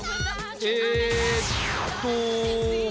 えっと。